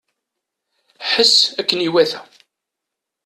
Ḥess akken iwata.